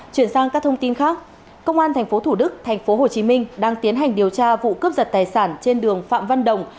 chuyển sang các thông tin khác công an tp thủ đức tp hcm đang tiến hành điều tra vụ cướp giật tài sản trên đường phạm văn đồng